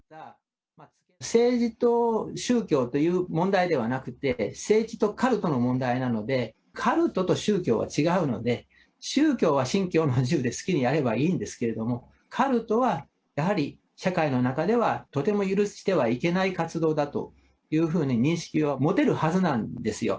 政治と宗教という問題ではなくて、政治とカルトの問題なので、カルトと宗教は違うので、宗教は信教の自由で好きにやればいいんですけれども、カルトは、やはり社会の中では、とても許してはいけない活動だというふうに認識は持てるはずなんですよ。